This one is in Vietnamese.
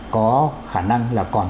có khả năng là còn